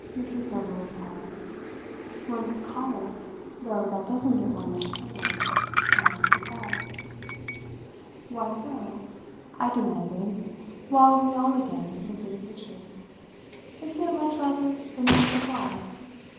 Mrs. Server replied. "One could call it though that doesn't get one much further the Mask of Death." "Why so?" I demanded while we all again looked at the picture. "Isn't it much rather the Mask of Life?